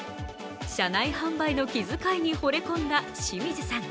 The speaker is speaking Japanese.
車内販売の気遣いにほれ込んだ清水さん。